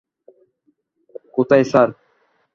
কোথায় স্যার?